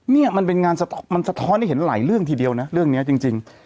นี่มันเป็นงานมันสะท้อนให้เห็นหลายเรื่องทีเดียวนะเรื่องนี้จริง